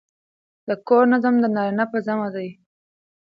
د کور نظم د نارینه په ذمه دی.